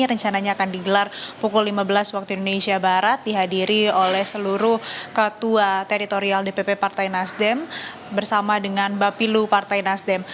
rencananya akan digelar pukul lima belas waktu indonesia barat dihadiri oleh seluruh ketua teritorial dpp partai nasdem bersama dengan bapilu partai nasdem